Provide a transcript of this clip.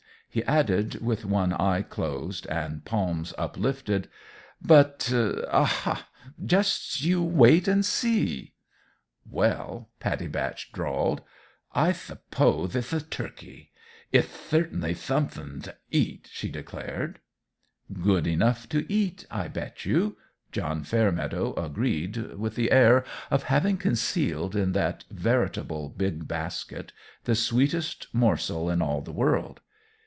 He added, with one eye closed, and palms lifted: "But aha! just you wait and see." "Well," Pattie Batch drawled, "I th'pose it'th a turkey. It'th thertainly _thome_thin' t' eat," she declared. "Good enough to eat, I bet you!" John Fairmeadow agreed, with the air of having concealed in that veritable big basket the sweetest morsel in all the world.